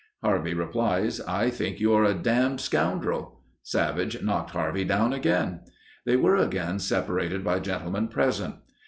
Harvey replies, "I think you are a damned scoundrel." Savage knocked Harvey down again. They were again separated by gentlemen present.